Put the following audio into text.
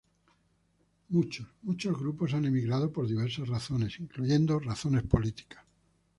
Muchos, muchos grupos han emigrado por diversas razones incluyendo razones políticas.